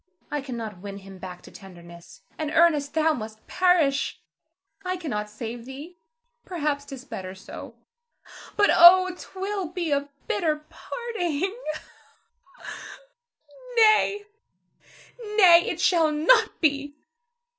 I cannot win him back to tenderness, and Ernest, thou must perish. I cannot save thee, perhaps 'tis better so; but oh, 'twill be a bitter parting! [Weeps.] Nay, nay, it shall not be!